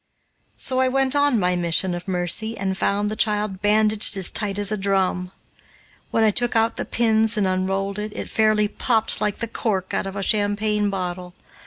So I went on my mission of mercy and found the child bandaged as tight as a drum. When I took out the pins and unrolled it, it fairly popped like the cork out of a champagne bottle.